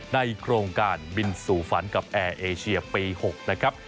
ในโครงการบินสู่ฝันกับแอร์เอเชียปี๖นะครับ